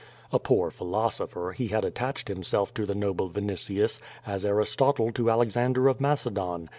A poor j)hilosopher, he had attached himself to the noble Vinitius, as Aristotle to Alexander of Macedon.